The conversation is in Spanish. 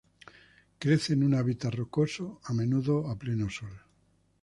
Crece en un hábitat rocoso, a menudo a pleno sol.